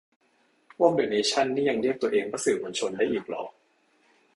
พวกเดอะเนชั่นนี่ยังเรียกตัวเองว่าสื่อมวลชนได้อีกเหรอ